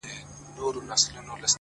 • پاچا مخكي ورپسې سل نوكران وه,